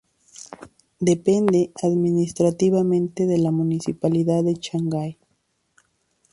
Depende administrativamente de la municipalidad de Shanghái.